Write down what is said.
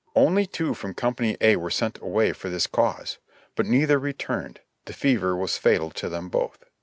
Only two from Company A were sent away for this cause ; but neither returned — the fever was fatal to them both.